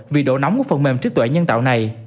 vì độ nóng của phần mềm trí tuệ nhân tạo này